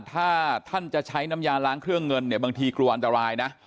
ถ้าท่านจะใช้น้ำยาล้างเครื่องเงินเนี่ยบางทีกลัวอันตรายนะ